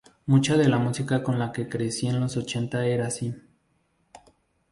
Mucha de la música con la que crecí en los ochenta era así".